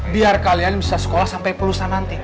biar kalian bisa sekolah sampai pelusan nanti